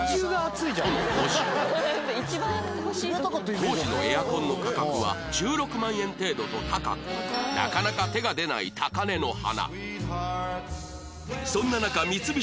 当時のエアコンの価格は１６万円程度と高くなかなか手が出ない高嶺の花